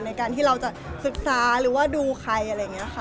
ในการที่เราจะศึกษาหรือว่าดูใครอะไรอย่างนี้ค่ะ